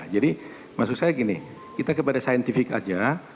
jadi maksud saya gini kita kepada saintifik aja